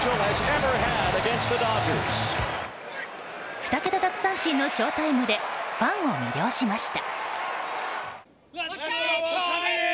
２桁奪三振のショウタイムでファンを魅了しました。